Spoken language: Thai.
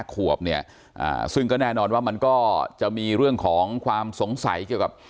ขวบเนี่ยซึ่งก็แน่นอนว่ามันก็จะมีเรื่องของความสงสัยเกี่ยวกับ